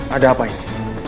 ada apa ini